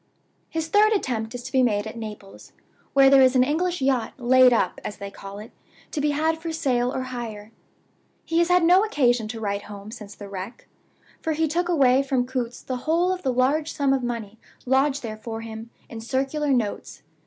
His third attempt is to be made at Naples, where there is an English yacht 'laid up,' as they call it, to be had for sale or hire. He has had no occasion to write home since the wreck; for he took away from Coutts's the whole of the large sum of money lodged there for him, in circular notes.